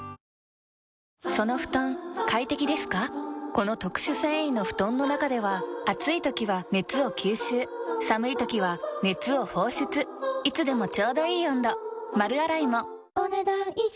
この特殊繊維の布団の中では暑い時は熱を吸収寒い時は熱を放出いつでもちょうどいい温度丸洗いもお、ねだん以上。